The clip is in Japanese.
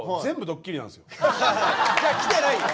・じゃあ来てないよ。